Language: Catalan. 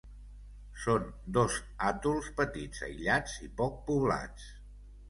Són dos atols petits, aïllats i poc poblats.